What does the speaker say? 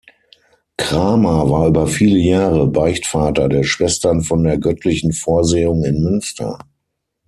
Cramer war über viele Jahre Beichtvater der Schwestern von der Göttlichen Vorsehung in Münster.